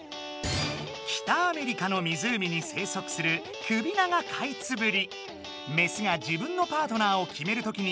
北アメリカの湖に生息するクビナガカイツブリ。